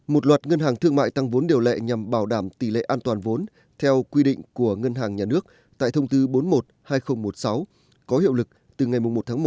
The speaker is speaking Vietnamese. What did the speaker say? một loạt ngân hàng thương mại tăng vốn điều lệ nhằm bảo đảm tỷ lệ an toàn vốn theo quy định của ngân hàng nhà nước tại thông tư bốn mươi một hai nghìn một mươi sáu có hiệu lực từ ngày một một